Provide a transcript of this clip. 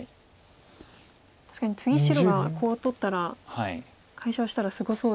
確かに次白がコウを取ったら解消したらすごそうですよね。